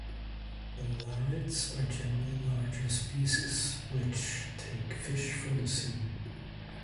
The larids are generally larger species which take fish from the sea.